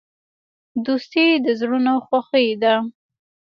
دوستي د زړونو خوښي ده.